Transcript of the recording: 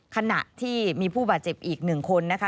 ขณะที่มีผู้บาดเจ็บอีก๑คนนะคะ